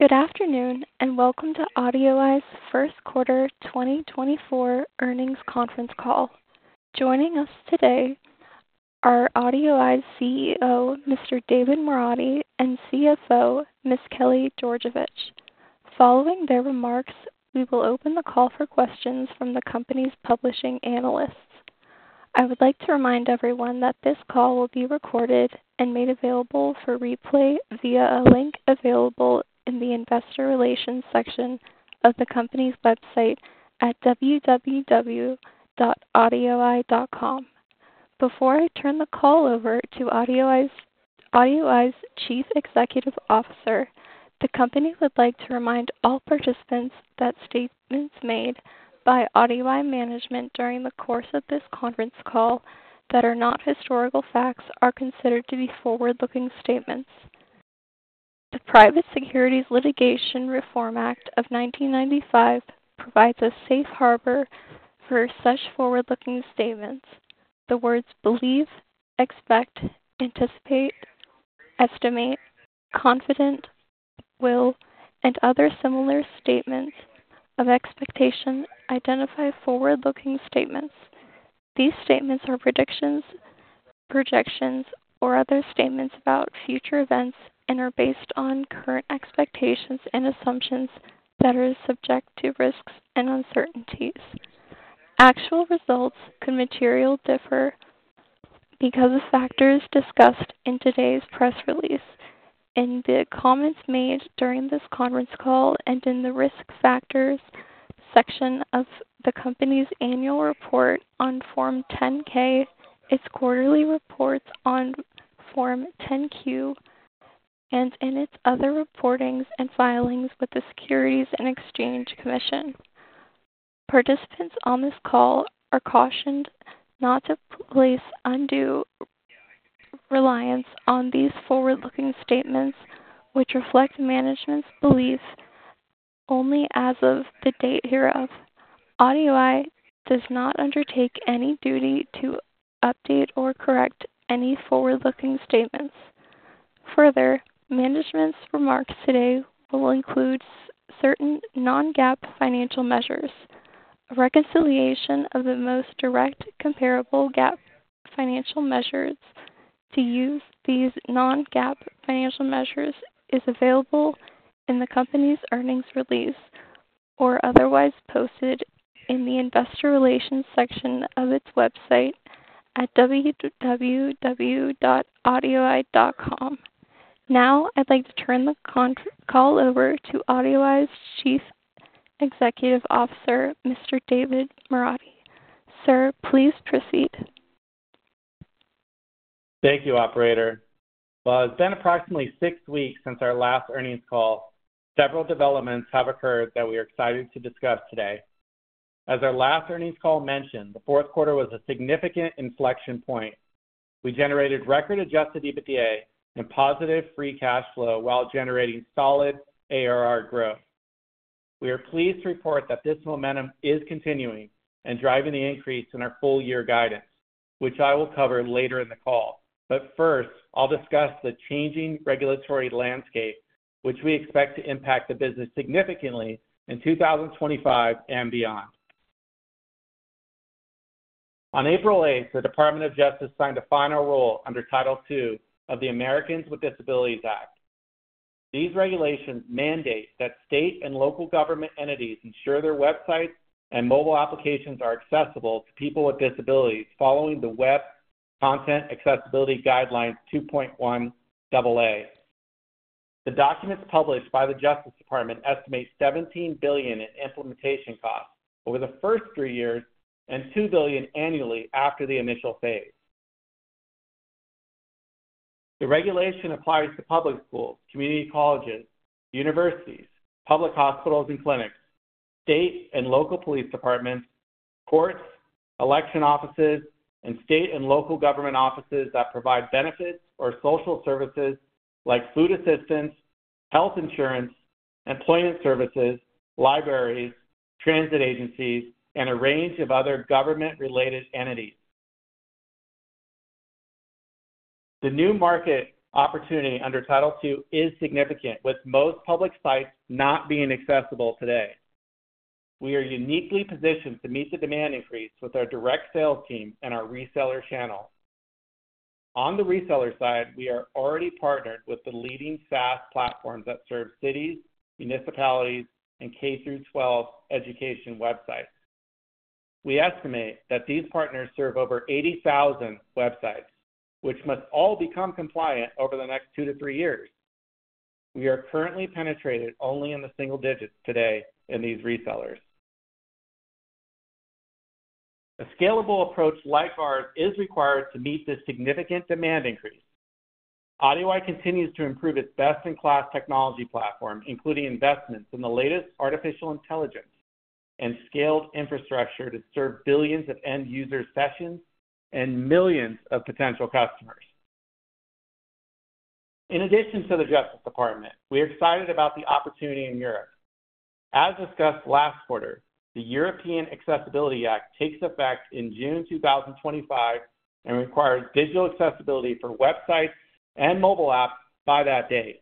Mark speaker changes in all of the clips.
Speaker 1: Good afternoon and welcome to AudioEye's First Quarter 2024 Earnings Conference Call. Joining us today are AudioEye's CEO, Mr. David Moradi, and CFO, Ms. Kelly Georgevich. Following their remarks, we will open the call for questions from the company's publishing analysts. I would like to remind everyone that this call will be recorded and made available for replay via a link available in the investor relations section of the company's website at www.audioeye.com. Before I turn the call over to AudioEye's chief executive officer, the company would like to remind all participants that statements made by AudioEye management during the course of this conference call that are not historical facts are considered to be forward-looking statements. The Private Securities Litigation Reform Act of 1995 provides a safe harbor for such forward-looking statements. The words believe, expect, anticipate, estimate, confident, will, and other similar statements of expectation identify forward-looking statements. These statements are predictions, projections, or other statements about future events and are based on current expectations and assumptions that are subject to risks and uncertainties. Actual results could materially differ because of factors discussed in today's press release. In the comments made during this conference call and in the risk factors section of the company's annual report on Form 10-K, its quarterly reports on Form 10-Q, and in its other reporting and filings with the Securities and Exchange Commission, participants on this call are cautioned not to place undue reliance on these forward-looking statements which reflect management's belief only as of the date hereof. AudioEye does not undertake any duty to update or correct any forward-looking statements. Further, management's remarks today will include certain non-GAAP financial measures. A reconciliation of the most direct comparable GAAP financial measures to use these non-GAAP financial measures is available in the company's earnings release or otherwise posted in the investor relations section of its website at www.audioeye.com. Now I'd like to turn the call over to AudioEye's Chief Executive Officer, Mr. David Moradi. Sir, please proceed.
Speaker 2: Thank you, operator. While it's been approximately six weeks since our last earnings call, several developments have occurred that we are excited to discuss today. As our last earnings call mentioned, the fourth quarter was a significant inflection point. We generated record adjusted EBITDA and positive free cash flow while generating solid ARR growth. We are pleased to report that this momentum is continuing and driving the increase in our full-year guidance, which I will cover later in the call. But first, I'll discuss the changing regulatory landscape which we expect to impact the business significantly in 2025 and beyond. On April 8th, the Department of Justice signed a final rule under Title II of the Americans with Disabilities Act. These regulations mandate that state and local government entities ensure their websites and mobile applications are accessible to people with disabilities following the Web Content Accessibility Guidelines 2.1 AA. The documents published by the Justice Department estimate $17 billion in implementation costs over the first three years and $2 billion annually after the initial phase. The regulation applies to public schools, community colleges, universities, public hospitals and clinics, state and local police departments, courts, election offices, and state and local government offices that provide benefits or social services like food assistance, health insurance, employment services, libraries, transit agencies, and a range of other government-related entities. The new market opportunity under Title II is significant, with most public sites not being accessible today. We are uniquely positioned to meet the demand increase with our direct sales team and our reseller channel. On the reseller side, we are already partnered with the leading SaaS platforms that serve cities, municipalities, and K-12 education websites. We estimate that these partners serve over 80,000 websites, which must all become compliant over the next 2-3 years. We are currently penetrated only in the single digits today in these resellers. A scalable approach like ours is required to meet this significant demand increase. AudioEye continues to improve its best-in-class technology platform, including investments in the latest artificial intelligence and scaled infrastructure to serve billions of end-user sessions and millions of potential customers. In addition to the Justice Department, we are excited about the opportunity in Europe. As discussed last quarter, the European Accessibility Act takes effect in June 2025 and requires digital accessibility for websites and mobile apps by that day.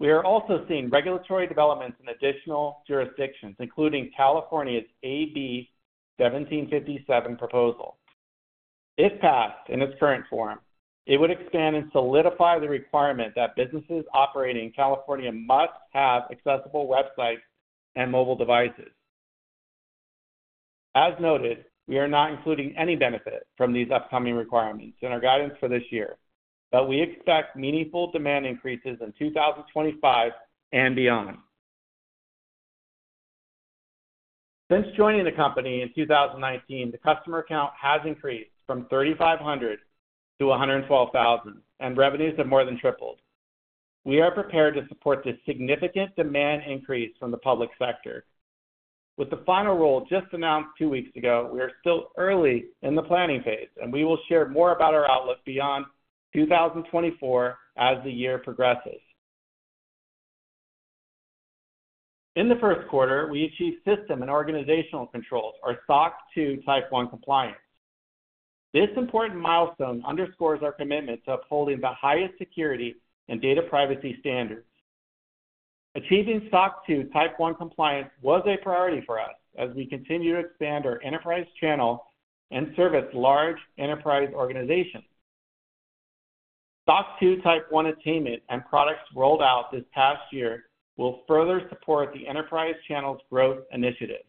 Speaker 2: We are also seeing regulatory developments in additional jurisdictions, including California's AB 1757 proposal. If passed in its current form, it would expand and solidify the requirement that businesses operating in California must have accessible websites and mobile devices. As noted, we are not including any benefit from these upcoming requirements in our guidance for this year, but we expect meaningful demand increases in 2025 and beyond. Since joining the company in 2019, the customer count has increased from 3,500 to 112,000, and revenues have more than tripled. We are prepared to support this significant demand increase from the public sector. With the final rule just announced two weeks ago, we are still early in the planning phase, and we will share more about our outlook beyond 2024 as the year progresses. In the first quarter, we achieved System and Organization Controls, or SOC 2 Type 1 compliance. This important milestone underscores our commitment to upholding the highest security and data privacy standards. Achieving SOC 2 Type 1 compliance was a priority for us as we continue to expand our enterprise channel and service large enterprise organizations. SOC 2 Type 1 attainment and products rolled out this past year will further support the enterprise channel's growth initiative.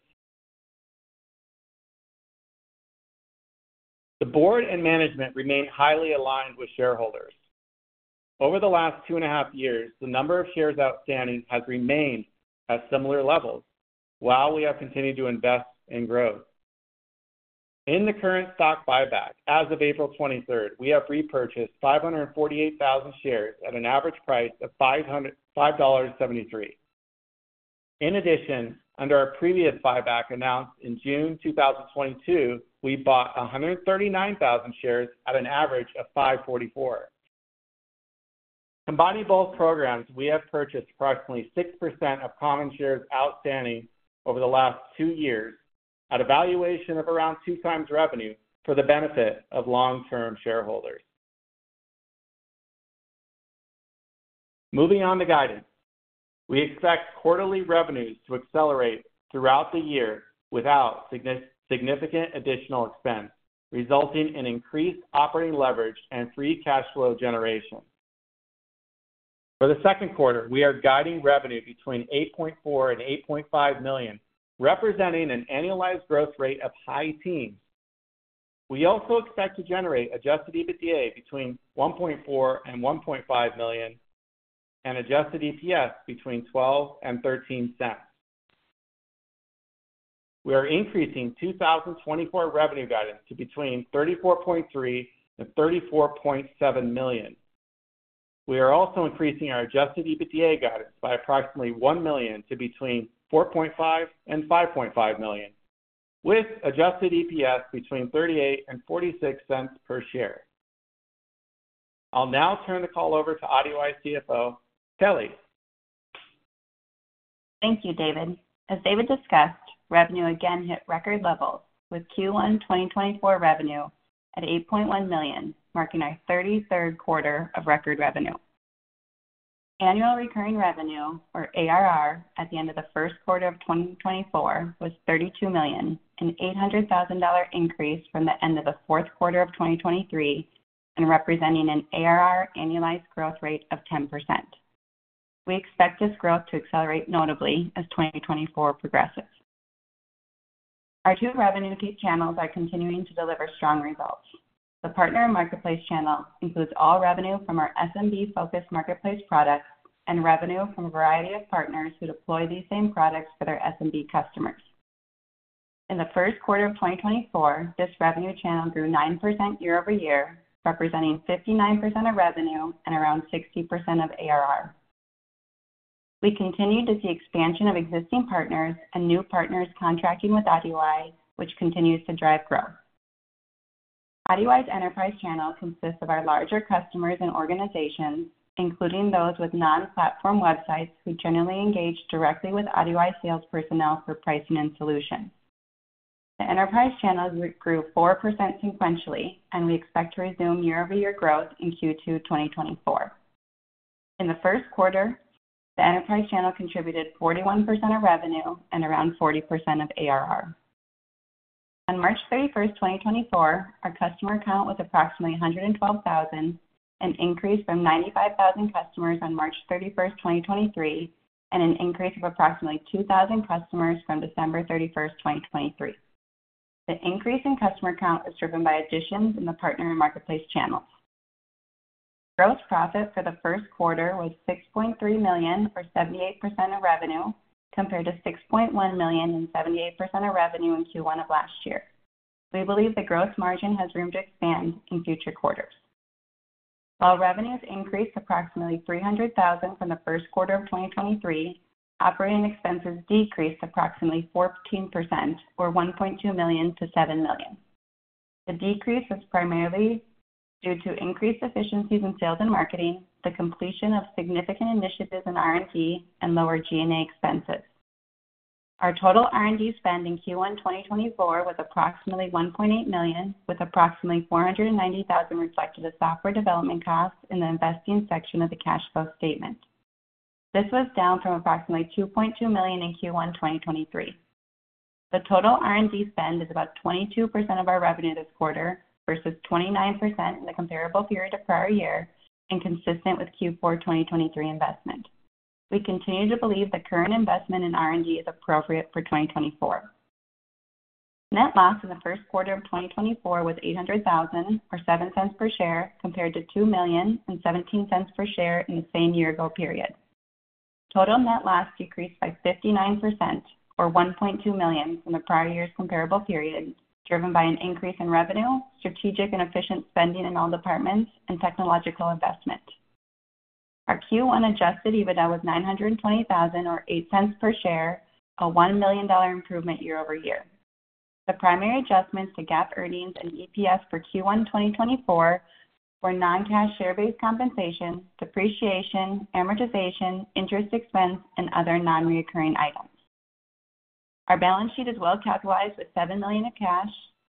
Speaker 2: The board and management remain highly aligned with shareholders. Over the last two and a half years, the number of shares outstanding has remained at similar levels while we have continued to invest in growth. In the current stock buyback as of April 23rd, we have repurchased 548,000 shares at an average price of $5.73. In addition, under our previous buyback announced in June 2022, we bought 139,000 shares at an average of $5.44. Combining both programs, we have purchased approximately 6% of common shares outstanding over the last two years at a valuation of around 2x revenue for the benefit of long-term shareholders. Moving on to guidance, we expect quarterly revenues to accelerate throughout the year without significant additional expense, resulting in increased operating leverage and Free Cash Flow generation. For the second quarter, we are guiding revenue between $8.4-$8.5 million, representing an annualized growth rate of high teens. We also expect to generate Adjusted EBITDA between $1.4-$1.5 million and Adjusted EPS between $0.12-$0.13. We are increasing 2024 revenue guidance to between $34.3-$34.7 million. We are also increasing our Adjusted EBITDA guidance by approximately $1 million to between $4.5-$5.5 million, with Adjusted EPS between $0.38-$0.46 per share. I'll now turn the call over to AudioEye CFO Kelly.
Speaker 3: Thank you, David. As David discussed, revenue again hit record levels with Q1 2024 revenue at $8.1 million, marking our 33rd quarter of record revenue. Annual recurring revenue, or ARR, at the end of the first quarter of 2024 was $32 million and an $800,000 increase from the end of the fourth quarter of 2023, and representing an ARR annualized growth rate of 10%. We expect this growth to accelerate notably as 2024 progresses. Our two revenue channels are continuing to deliver strong results. The partner marketplace channel includes all revenue from our SMB-focused marketplace products and revenue from a variety of partners who deploy these same products for their SMB customers. In the first quarter of 2024, this revenue channel grew 9% year-over-year, representing 59% of revenue and around 60% of ARR. We continue to see expansion of existing partners and new partners contracting with AudioEye, which continues to drive growth. AudioEye's enterprise channel consists of our larger customers and organizations, including those with non-platform websites who generally engage directly with AudioEye sales personnel for pricing and solutions. The enterprise channel grew 4% sequentially, and we expect to resume year-over-year growth in Q2 2024. In the first quarter, the enterprise channel contributed 41% of revenue and around 40% of ARR. On March 31st, 2024, our customer count was approximately 112,000, an increase from 95,000 customers on March 31st, 2023, and an increase of approximately 2,000 customers from December 31st, 2023. The increase in customer count is driven by additions in the partner marketplace channels. Gross profit for the first quarter was $6.3 million or 78% of revenue compared to $6.1 million and 78% of revenue in Q1 of last year. We believe the gross margin has room to expand in future quarters. While revenues increased approximately $300,000 from the first quarter of 2023, operating expenses decreased approximately 14% or $1.2 million to $7 million. The decrease was primarily due to increased efficiencies in sales and marketing, the completion of significant initiatives in R&D, and lower G&A expenses. Our total R&D spend in Q1 2024 was approximately $1.8 million, with approximately $490,000 reflected as software development costs in the investing section of the cash flow statement. This was down from approximately $2.2 million in Q1 2023. The total R&D spend is about 22% of our revenue this quarter versus 29% in the comparable period of prior year and consistent with Q4 2023 investment. We continue to believe the current investment in R&D is appropriate for 2024. Net loss in the first quarter of 2024 was $800,000 or $0.07 per share compared to $2 million and $0.17 per share in the same year-ago period. Total net loss decreased by 59% or $1.2 million from the prior year's comparable period, driven by an increase in revenue, strategic and efficient spending in all departments, and technological investment. Our Q1 Adjusted EBITDA was $920,000 or $0.08 per share, a $1 million improvement year-over-year. The primary adjustments to GAAP earnings and EPS for Q1 2024 were non-cash share-based compensation, depreciation, amortization, interest expense, and other non-recurring items. Our balance sheet is well-capitalized with $7 million of cash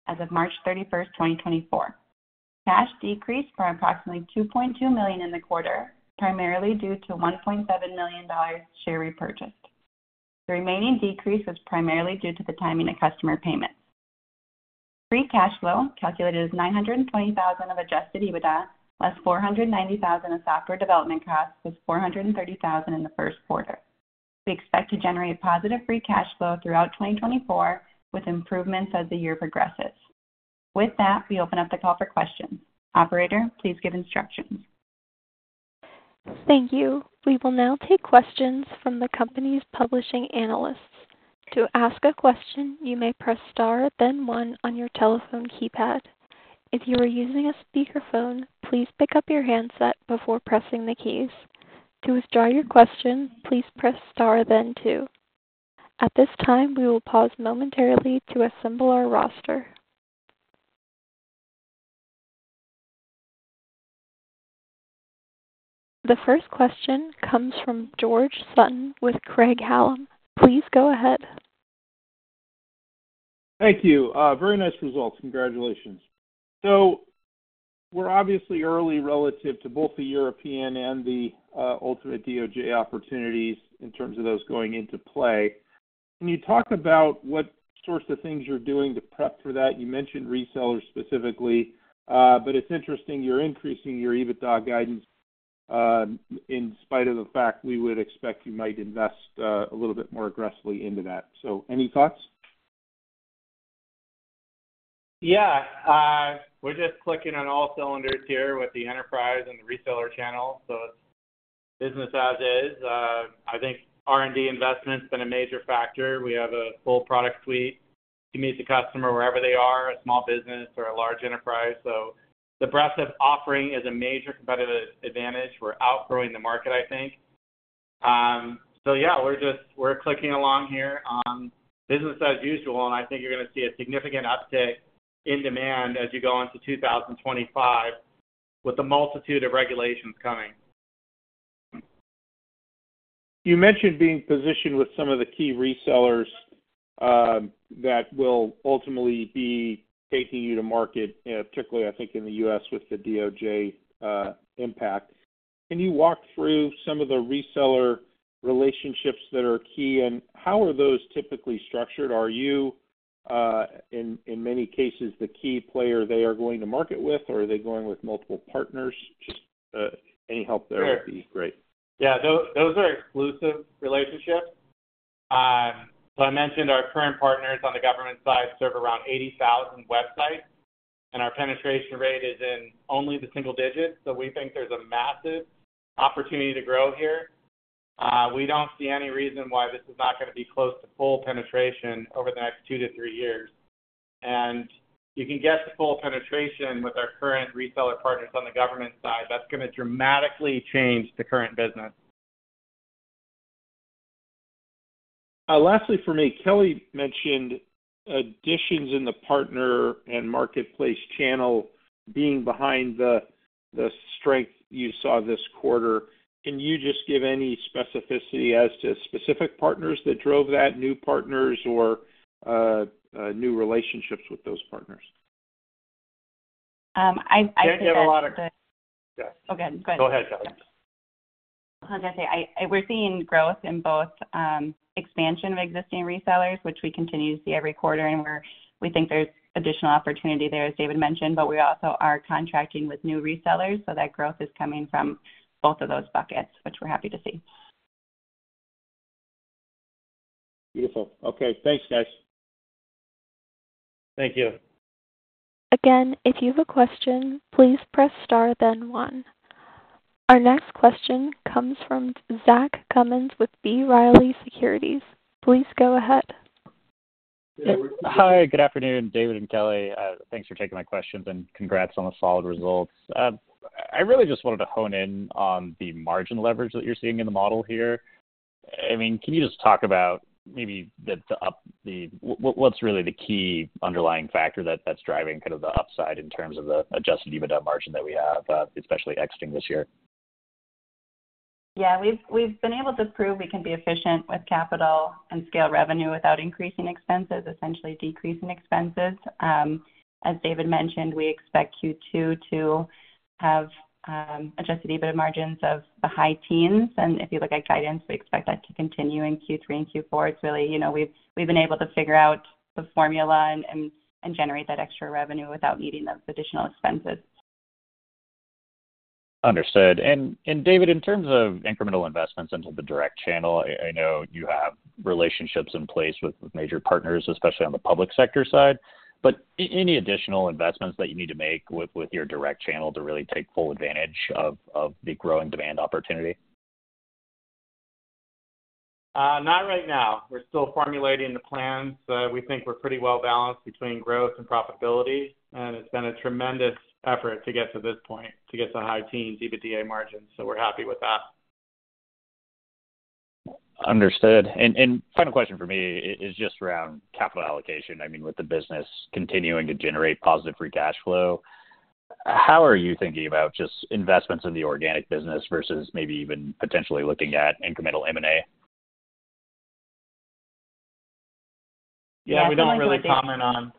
Speaker 3: as of March 31st, 2024. Cash decreased by approximately $2.2 million in the quarter, primarily due to $1.7 million share repurchased. The remaining decrease was primarily due to the timing of customer payments. Free Cash Flow calculated as $920,000 of Adjusted EBITDA, less $490,000 of software development costs, plus $430,000 in the first quarter. We expect to generate positive Free Cash Flow throughout 2024 with improvements as the year progresses. With that, we open up the call for questions. Operator, please give instructions.
Speaker 1: Thank you. We will now take questions from the company's publishing analysts. To ask a question, you may press star, then one on your telephone keypad. If you are using a speakerphone, please pick up your handset before pressing the keys. To withdraw your question, please press star, then two. At this time, we will pause momentarily to assemble our roster. The first question comes from George Sutton with Craig-Hallum. Please go ahead.
Speaker 4: Thank you. Very nice results. Congratulations. So we're obviously early relative to both the European and the ultimate DOJ opportunities in terms of those going into play. Can you talk about what sorts of things you're doing to prep for that? You mentioned resellers specifically, but it's interesting you're increasing your EBITDA guidance in spite of the fact we would expect you might invest a little bit more aggressively into that. So any thoughts?
Speaker 2: Yeah. We're just clicking on all cylinders here with the enterprise and the reseller channel, so it's business as is. I think R&D investment's been a major factor. We have a full product suite to meet the customer wherever they are, a small business or a large enterprise. So the breadth of offering is a major competitive advantage. We're outgrowing the market, I think. So yeah, we're clicking along here on business as usual, and I think you're going to see a significant uptick in demand as you go into 2025 with a multitude of regulations coming.
Speaker 4: You mentioned being positioned with some of the key resellers that will ultimately be taking you to market, particularly, I think, in the U.S. with the DOJ impact. Can you walk through some of the reseller relationships that are key, and how are those typically structured? Are you, in many cases, the key player they are going to market with, or are they going with multiple partners? Just any help there would be great.
Speaker 2: Sure. Yeah. Those are exclusive relationships. So I mentioned our current partners on the government side serve around 80,000 websites, and our penetration rate is in only the single digits. So we think there's a massive opportunity to grow here. We don't see any reason why this is not going to be close to full penetration over the next 2-3 years. And you can guess the full penetration with our current reseller partners on the government side. That's going to dramatically change the current business.
Speaker 4: Lastly for me, Kelly mentioned additions in the partner and marketplace channel being behind the strength you saw this quarter. Can you just give any specificity as to specific partners that drove that, new partners or new relationships with those partners?
Speaker 3: I think that.
Speaker 4: Can't get a lot of.
Speaker 3: Go ahead. Go ahead.
Speaker 4: Go ahead, Kelly.
Speaker 3: I was going to say we're seeing growth in both expansion of existing resellers, which we continue to see every quarter, and we think there's additional opportunity there, as David mentioned. But we also are contracting with new resellers, so that growth is coming from both of those buckets, which we're happy to see.
Speaker 4: Beautiful. Okay. Thanks, guys.
Speaker 2: Thank you.
Speaker 1: Again, if you have a question, please press star, then one. Our next question comes from Zach Cummins with B. Riley Securities. Please go ahead.
Speaker 5: Hi. Good afternoon, David and Kelly. Thanks for taking my questions and congrats on the solid results. I really just wanted to hone in on the margin leverage that you're seeing in the model here. I mean, can you just talk about maybe what's really the key underlying factor that's driving kind of the upside in terms of the Adjusted EBITDA margin that we have, especially exiting this year?
Speaker 3: Yeah. We've been able to prove we can be efficient with capital and scale revenue without increasing expenses, essentially decreasing expenses. As David mentioned, we expect Q2 to have Adjusted EBITDA margins of the high teens. If you look at guidance, we expect that to continue in Q3 and Q4. It's really we've been able to figure out the formula and generate that extra revenue without needing those additional expenses.
Speaker 5: Understood. David, in terms of incremental investments into the direct channel, I know you have relationships in place with major partners, especially on the public sector side. Any additional investments that you need to make with your direct channel to really take full advantage of the growing demand opportunity?
Speaker 2: Not right now. We're still formulating the plans. We think we're pretty well-balanced between growth and profitability, and it's been a tremendous effort to get to this point, to get to high teens EBITDA margins. So we're happy with that.
Speaker 5: Understood. And final question for me is just around capital allocation. I mean, with the business continuing to generate positive Free Cash Flow, how are you thinking about just investments in the organic business versus maybe even potentially looking at incremental M&A?
Speaker 2: Yeah. We don't really comment on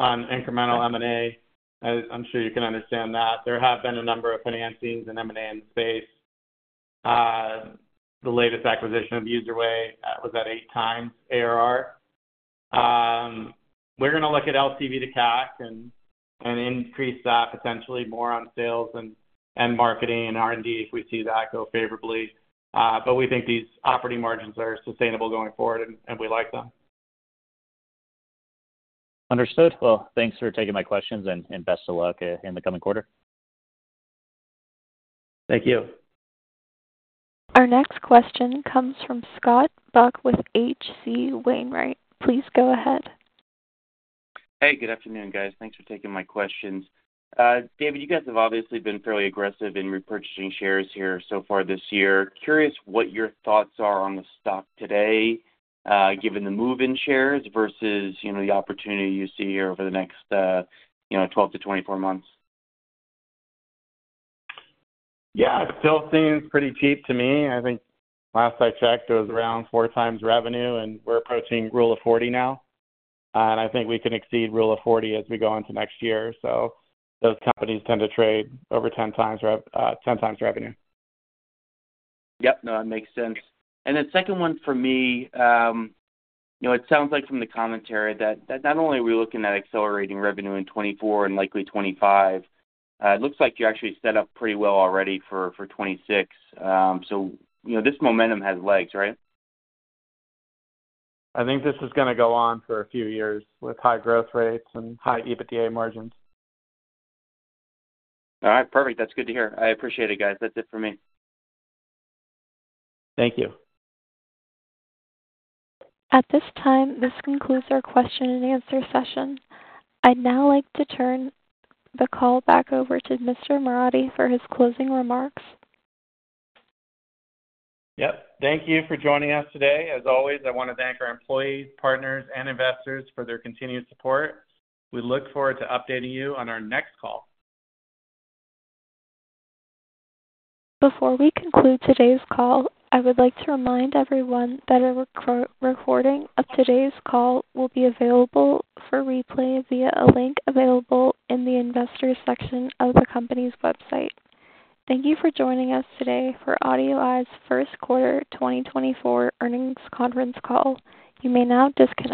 Speaker 2: incremental M&A. I'm sure you can understand that. There have been a number of financings and M&A in the space. The latest acquisition of UserWay was at 8x ARR. We're going to look at LTV to CAC and increase that potentially more on sales and marketing and R&D if we see that go favorably. But we think these operating margins are sustainable going forward, and we like them.
Speaker 5: Understood. Well, thanks for taking my questions, and best of luck in the coming quarter.
Speaker 2: Thank you.
Speaker 1: Our next question comes from Scott Buck with H.C. Wainwright. Please go ahead.
Speaker 6: Hey. Good afternoon, guys. Thanks for taking my questions. David, you guys have obviously been fairly aggressive in repurchasing shares here so far this year. Curious what your thoughts are on the stock today given the move in shares versus the opportunity you see here over the next 12-24 months?
Speaker 2: Yeah. It still seems pretty cheap to me. I think last I checked, it was around 4x revenue, and we're approaching Rule of 40 now. And I think we can exceed Rule of 40 as we go into next year. So those companies tend to trade over 10x revenue.
Speaker 6: Yep. No, that makes sense. And then second one for me, it sounds like from the commentary that not only are we looking at accelerating revenue in 2024 and likely 2025, it looks like you're actually set up pretty well already for 2026. So this momentum has legs, right?
Speaker 2: I think this is going to go on for a few years with high growth rates and high EBITDA margins.
Speaker 6: All right. Perfect. That's good to hear. I appreciate it, guys. That's it for me.
Speaker 2: Thank you.
Speaker 1: At this time, this concludes our question-and-answer session. I'd now like to turn the call back over to Mr. Moradi for his closing remarks.
Speaker 2: Yep. Thank you for joining us today. As always, I want to thank our employees, partners, and investors for their continued support. We look forward to updating you on our next call.
Speaker 1: Before we conclude today's call, I would like to remind everyone that a recording of today's call will be available for replay via a link available in the investor section of the company's website. Thank you for joining us today for AudioEye's First Quarter 2024 Earnings Conference Call. You may now disconnect.